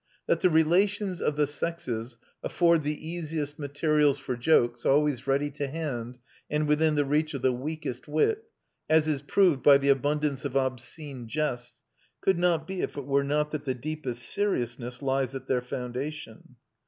That the relations of the sexes afford the easiest materials for jokes always ready to hand and within the reach of the weakest wit, as is proved by the abundance of obscene jests, could not be if it were not that the deepest seriousness lies at their foundation.